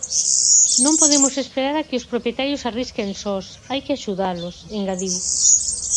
"Non podemos esperar a que os propietarios arrisquen sós, hai que axudalos", engadiu.